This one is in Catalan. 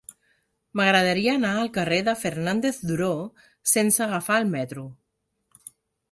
M'agradaria anar al carrer de Fernández Duró sense agafar el metro.